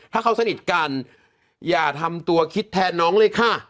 ถ้าเขาสนิทกันอย่าทำตัวคิดแทนน้องเลยค่ะ